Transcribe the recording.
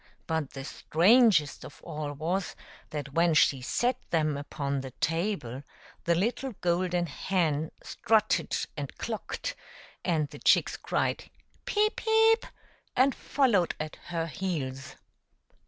But the strangest of all was, that when she set them upon the table the little golden hen strutted and clucked, and the chicks cried, " Peep ! peep !'* and followed at her heels.